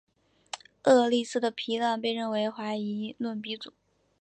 厄利斯的皮浪被认为是怀疑论鼻祖。